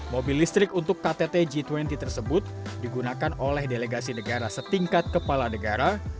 mobil listrik untuk ktt g dua puluh tersebut digunakan oleh delegasi negara setingkat kepala negara